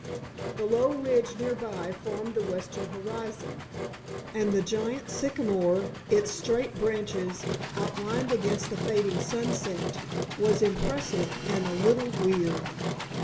The low ridge nearby formed the western horizon, and the giant sycamore, its straight branches outlined against the fading sunset, was impressive and a little weird.